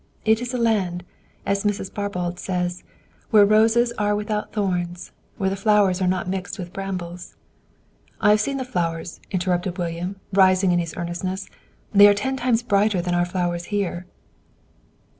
It is a land, as Mrs. Barbauld says, where the roses are without thorns, where the flowers are not mixed with brambles " "I have seen the flowers," interrupted William, rising in his earnestness. "They are ten times brighter than our flowers here."